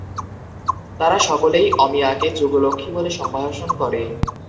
তারা সকলেই অমিয়াকে যুগলক্ষ্মী বলে সম্ভাষণ করে।